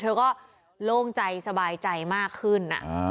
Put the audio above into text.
เธอก็โล่งใจสบายใจมากขึ้น